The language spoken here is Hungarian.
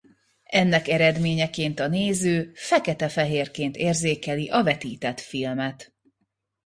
Ennek eredményeként a néző fekete-fehérként érzékeli a vetített filmet.